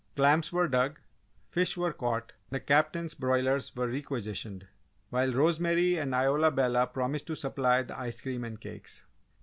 Clams were dug, fish were caught, the Captain's broilers were requisitioned, while Rosemary and Isola Bella promised to supply the ice cream and cakes.